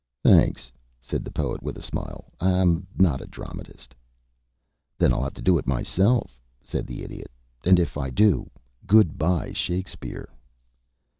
"Thanks," said the Poet, with a smile; "I'm not a dramatist." "Then I'll have to do it myself," said the Idiot. "And if I do, good bye Shakespeare."